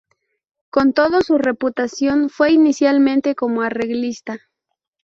Con todo, su reputación fue inicialmente como arreglista.